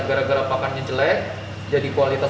gara gara pakannya jelek jadi kualitas